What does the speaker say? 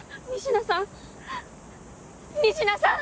仁科さん？